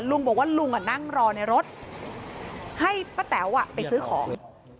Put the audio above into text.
ลุงบอกว่าลุงนั่งรอในรถให้ป้าแต๋วไปซื้อของ